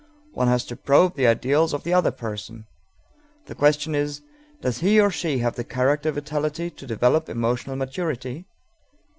One has to probe the ideals of the other person. The question is, "Does he or she have the character vitality to develop emotional maturity?"